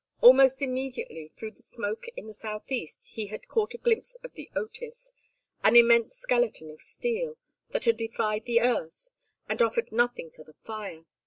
Almost immediately, through the smoke in the southeast, he had caught a glimpse of The Otis, an immense skeleton of steel, that had defied the earth, and offered nothing to the fire.